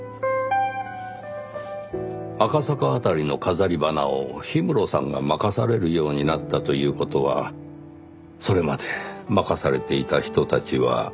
赤坂辺りの飾り花を氷室さんが任されるようになったという事はそれまで任されていた人たちは。